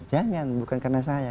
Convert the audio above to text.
jangan bukan karena saya